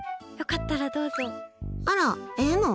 あら、ええの？